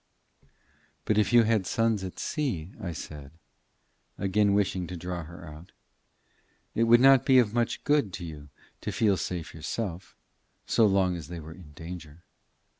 "But if you had sons at sea," said I, again wishing to draw her out, "it would not be of much good to you to feel safe yourself, so long as they were in danger."